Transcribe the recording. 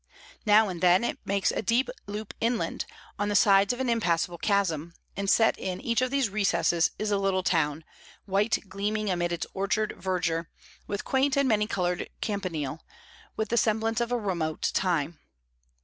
Now and then it makes a deep loop inland, on the sides of an impassable chasm; and set in each of these recesses is a little town, white gleaming amid its orchard verdure, with quaint and many coloured campanile, with the semblance of a remote time.